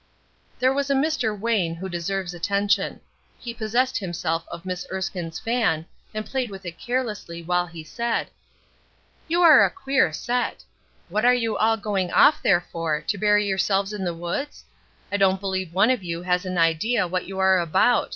There was a Mr. Wayne who deserves attention. He possessed himself of Miss Erskine's fan, and played with it carelessly, while he said: "You are a queer set. What are you all going off there for, to bury yourselves in the woods? I don't believe one of you has an idea what you are about.